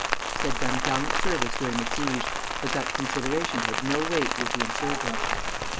He had done gallant service during the siege; but that consideration had no weight with the insurgents.